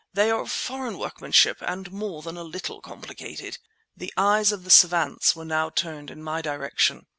They are of foreign workmanship and more than a little complicated." The eyes of the savants were turned now in my direction.